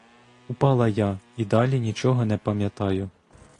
Упала я і далі нічого не пам'ятаю.